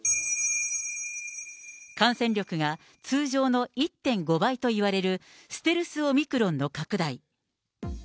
感染力が通常の１．５倍といわれる、ステルス・オミクロンの拡大。